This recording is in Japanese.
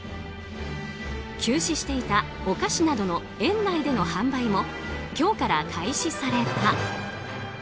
休止していたお菓子などの園内での販売も今日から開始された。